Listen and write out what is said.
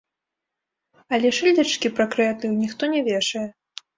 Але шыльдачкі пра крэатыў ніхто не вешае.